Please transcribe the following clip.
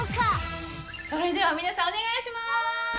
それでは皆さんお願いします！